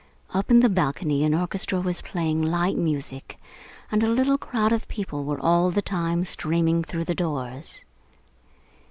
Up in the balcony an orchestra was playing light music, and a little crowd of people were all the time streaming through the doors.